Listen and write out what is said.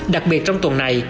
đặc biệt trong tuần này